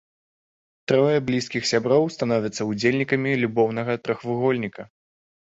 Трое блізкіх сяброў становяцца ўдзельнікамі любоўнага трохвугольніка.